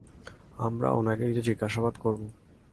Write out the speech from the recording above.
আমরা উনাকে কিছু জিজ্ঞাসাবাদ করব।